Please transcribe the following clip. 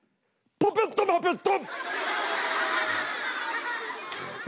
パペットマペット。